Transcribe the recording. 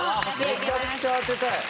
めちゃくちゃ当てたい。